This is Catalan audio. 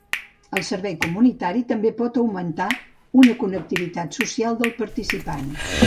El servei comunitari també pot augmentar una connectivitat social del participant.